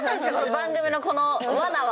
番組のこの罠は！